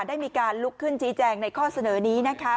ได้มีการลุกขึ้นชี้แจงในข้อเสนอนี้นะคะ